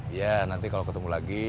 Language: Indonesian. iya nanti kalau ketemu lagi